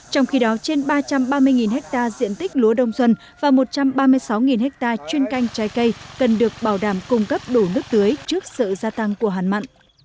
trong khi đó trên ba trăm ba mươi ha diện tích lúa đông xuân và một trăm ba mươi sáu ha chuyên canh trái cây cần được bảo đảm cung cấp đủ nước tưới trước sự gia tăng của hạn mặn